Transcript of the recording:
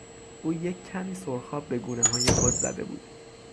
او یک کمی سرخاب به گونههای خود زده بود.